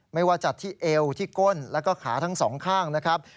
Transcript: ไม่ว่าจัดที่เอวที่ก้นแล้วก็ขาทั้งสองข้างนะครับ